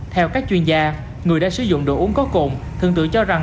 theo các chuyên gia người đã sử dụng đồ uống có cồn